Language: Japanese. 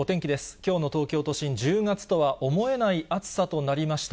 きょうの東京都心、１０月とは思えない暑さとなりました。